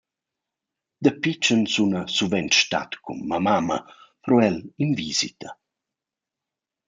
Da pitschen suna suvent stat cun ma mamma pro el in visita.